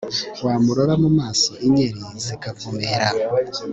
wamurora mu maso inyeri zikavumera